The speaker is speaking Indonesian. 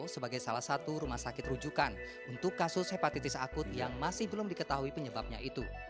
sebagai salah satu rumah sakit rujukan untuk kasus hepatitis akut yang masih belum diketahui penyebabnya itu